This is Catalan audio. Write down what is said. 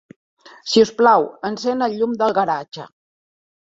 Sisplau, encén el llum del garatge.